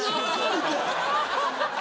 言うて。